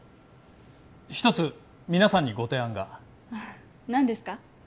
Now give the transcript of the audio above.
一つ皆さんにご提案が何ですか？